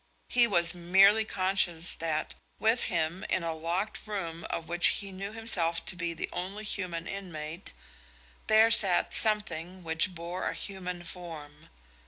He was merely conscious that with him, in a locked room of which he knew himself to be the only human inmate, there sat something which bore a human form.